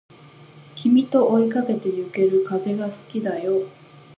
君と追いかけてゆける風が好きだよ